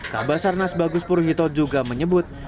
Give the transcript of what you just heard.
kabasarnas baguspur hito juga menyebut